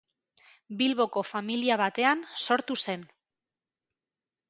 Bilboko familia batean sortu zen.